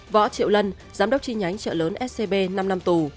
võ triệu lân giám đốc chi nhánh chợ lớn scb năm năm tù